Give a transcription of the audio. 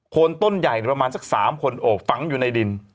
คนต้นใหญ่ประมาณสัก๓คนโอบฝังอยู่ในดิน